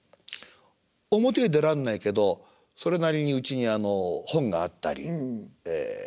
表へ出らんないけどそれなりにうちに本があったりえ